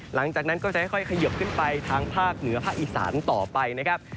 หลังจากนั้นก็จะค่อยเขยิบขึ้นไปทางภาคเหนือภาคอีสานต่อไปนะครับ